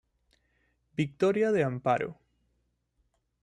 Victoria de Amparo.